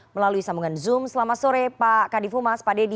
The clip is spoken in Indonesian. melalui sambungan zoom selamat sore pak kadifu mas pak dedy